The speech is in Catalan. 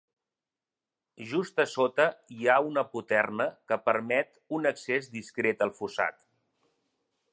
Just a sota hi ha una poterna que permet un accés discret al fossat.